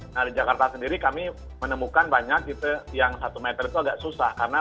nah di jakarta sendiri kami menemukan banyak yang satu meter itu agak susah